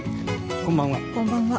こんばんは。